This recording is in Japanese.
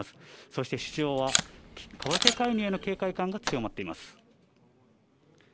そして市場は為替介入への警戒感が強まっています。